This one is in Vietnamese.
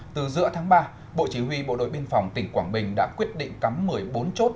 từ giữa tháng ba bộ chỉ huy bộ đội biên phòng tỉnh quảng bình đã quyết định cắm một mươi bốn chốt